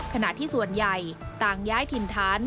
ขณะที่ส่วนใหญ่ต่างย้ายถิ่นฐาน